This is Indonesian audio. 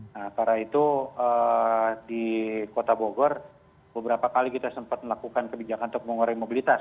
nah karena itu di kota bogor beberapa kali kita sempat melakukan kebijakan untuk mengurangi mobilitas